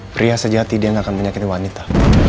pria sejati dia yang akan menyakiti wanita